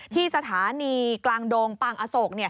ที่สถานีกลางดงปางอโศก